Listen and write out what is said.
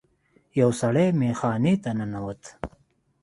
یو سړی میخانې ته ننوت.